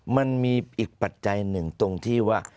มันมีอีกปัจจัยหนึ่งตรงที่ว่า